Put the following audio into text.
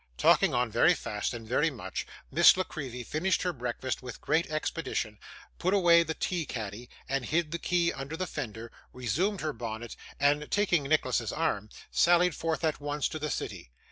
Talking on very fast and very much, Miss La Creevy finished her breakfast with great expedition, put away the tea caddy and hid the key under the fender, resumed her bonnet, and, taking Nicholas's arm, sallied forth at once to the city.